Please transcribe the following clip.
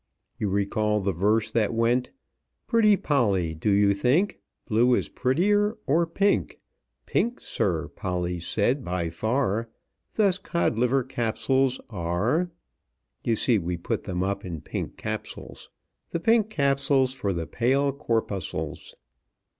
You recall the verse that went: "'Pretty Polly, do you think, Blue is prettier, or pink?' 'Pink, sir,' Polly said, 'by far; Thus Codliver Capsules are.'" You see, we put them up in pink capsules. "The pink capsules for the pale corpuscles."